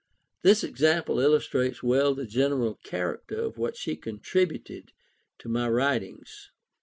This example illustrates well the general character of what she contributed to my writings.